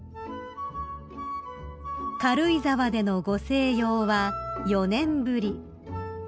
［軽井沢でのご静養は４年ぶり］